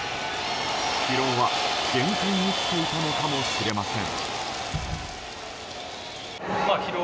疲労は限界にきていたのかもしれません。